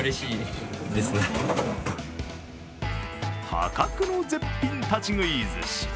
破格の絶品立ち食い寿司。